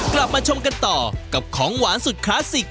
กลับมาชมกันต่อกับของหวานสุดคลาสสิก